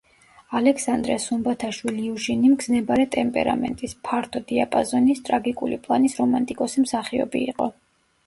ალექსანდრე სუმბათაშვილ-იუჟინი მგზნებარე ტემპერამენტის, ფართო დიაპაზონის, ტრაგიკული პლანის რომანტიკოსი მსახიობი იყო.